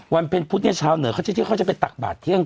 วันเป็นพุทธในชาวเหนือเขาจะเที่ยวเขาจะเป็นตักบาทเที่ยง